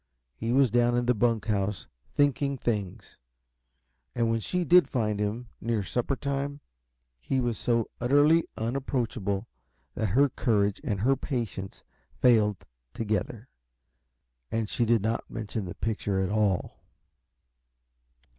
He was down in the bunk house, thinking things. And when she did find him, near supper time, he was so utterly unapproachable that her courage and her patience failed together, and she did not mention the picture at all.